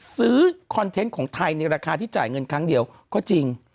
คอนเทนต์ของไทยในราคาที่จ่ายเงินครั้งเดียวก็จริง